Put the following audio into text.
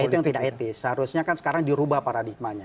itu yang tidak etis seharusnya kan sekarang dirubah paradigmanya